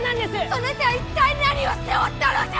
そなた一体何をしておったのじゃ！